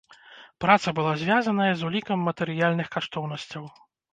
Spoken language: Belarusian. Праца была звязаная з улікам матэрыяльных каштоўнасцяў.